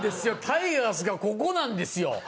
タイガースがここなんですよ。